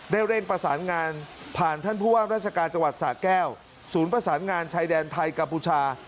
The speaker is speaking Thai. เร่งประสานงานผ่านท่านผู้ว่าราชการจังหวัดสะแก้วศูนย์ประสานงานชายแดนไทยกัมพูชา